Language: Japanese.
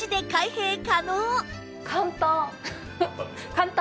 簡単。